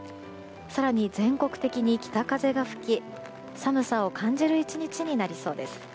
更に、全国的に北風が吹き寒さを感じる１日になりそうです。